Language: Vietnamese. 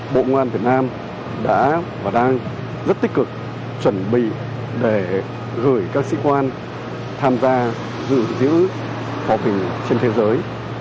bộ công an việt nam đã và đang rất tích cực chuẩn bị để gửi các sĩ quan tham gia giữ hòa bình trên thế giới